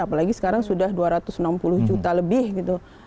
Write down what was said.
apalagi sekarang sudah dua ratus enam puluh juta lebih gitu